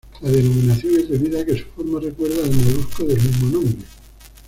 La denominación es debida a que su forma recuerda al molusco del mismo nombre.